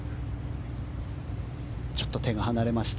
ちょっと手が離れました。